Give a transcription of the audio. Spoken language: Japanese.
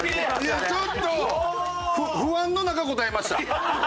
いやちょっと不安の中答えました。